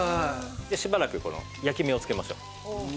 しばらく焼き目をつけましょう。